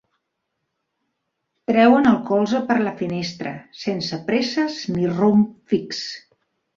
Treuen el colze per la finestra, sense presses ni rumb fix.